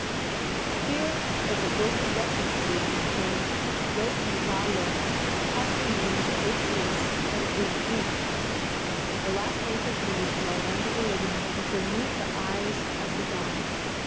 Here was a ghostly breadfruit tree* named Lei walo, possibly meaning "the eight wreaths" or " the eighth wreath"—the last wreath of leaves from the land of the living which would meet the eyes of the dying.